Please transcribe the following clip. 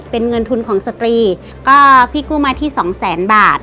เป็นเงินทุนของสตรีก็พี่กู้มาที่สองแสนบาท